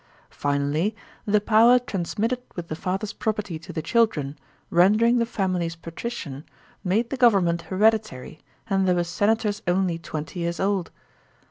Finally, the i>ower transmitted with the father's property to the children, rendering the families patrician, made the government hereditary and there were senators only twenty years old.